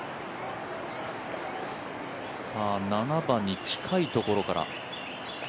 ７番に近いところから。